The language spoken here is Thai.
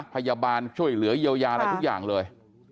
พยาบาลช่วยเหลือเยียวยาอะไรทุกอย่างเลย